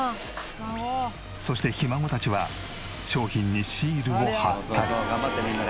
そしてひ孫たちは商品にシールを貼ったり。